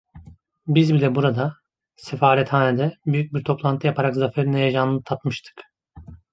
Biz bile burada, sefarethanede büyük bir toplantı yaparak zaferin heyecanını tatmıştık.